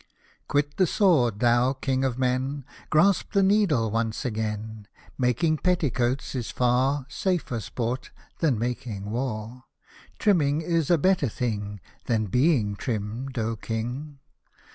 Quit the sword, thou King of men, Grasp the needle once again ; Making petticoats is far Safer sport than making war ; Trimming is a better thing, Than the being trimmed, oh King